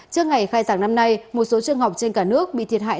trước ngày khai giảng năm nay một số trường học trên cả nước bị thiệt hại